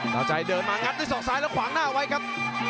ดาวใจเดินมางัดด้วยศอกซ้ายแล้วขวางหน้าไว้ครับ